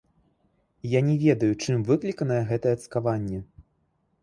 Я не ведаю, чым выкліканая гэтае цкаванне.